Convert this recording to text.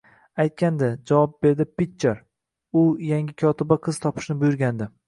Aytgandi, javob berdi Pitcher,u yangi kotiba qiz topishni buyurgandi